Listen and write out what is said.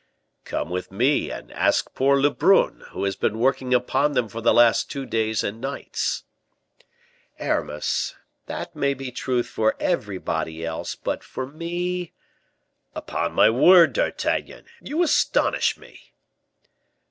"Come with me and ask poor Lebrun, who has been working upon them for the last two days and nights." "Aramis, that may be truth for everybody else, but for me " "Upon my word, D'Artagnan, you astonish me."